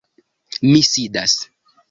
Mi sidas.